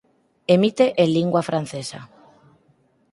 Emite en lingua francesa.